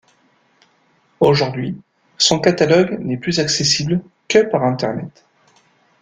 Aujourd'hui, son catalogue n'est plus accessible que par internet.